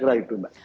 kira kira itu mbak